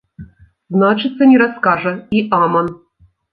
Значыцца, не раскажа і аман.